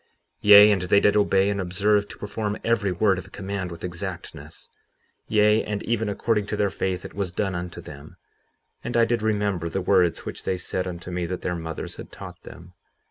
57:21 Yea, and they did obey and observe to perform every word of command with exactness; yea, and even according to their faith it was done unto them; and I did remember the words which they said unto me that their mothers had taught them.